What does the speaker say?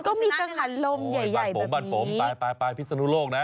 ก็มีกังหันลมใหญ่บ้านผมบ้านผมไปไปพิศนุโลกนะ